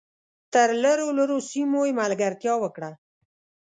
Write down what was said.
تر لرو لرو سیمو یې ملګرتیا وکړه .